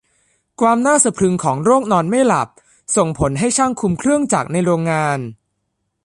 ความน่าสะพรึงของโรคนอนไม่หลับส่งผลให้ช่างคุมเครื่องจักรในโรงงาน